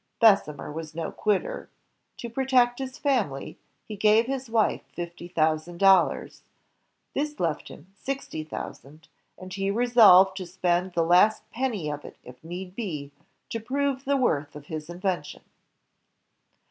Bessemer was no "quitter." To protect his family, he gave his wife fifty thousand dollars; this left him sixty thousand, and he resolved to spend the last penny of it, if need be, to prove the worth of his invention.